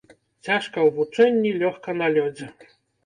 Цяжка ў вучэнні, лёгка на лёдзе.